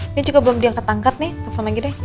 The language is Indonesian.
ini juga belum diangkat angkat nih telepon lagi deh